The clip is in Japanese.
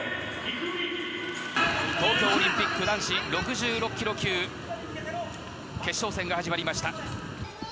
東京オリンピック男子６６キロ級決勝戦が始まりました。